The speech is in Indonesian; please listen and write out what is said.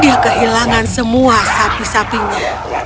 dia kehilangan semua sapi sapinya